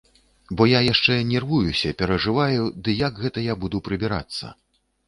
Бо я яшчэ нервуюся, перажываю, ды як гэта я буду прыбірацца.